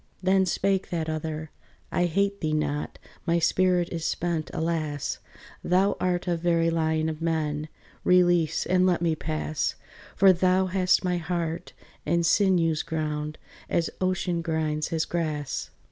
Then spake that other, "I hate thee not, My spirit is spent, alas, Thou art a very lion of men; Release, and let me pass; For thou hast my heart and sinews ground As ocean grinds his grass."